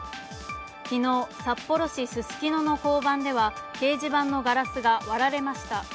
昨日札幌市ススキノの交番では掲示板のガラスが割られました。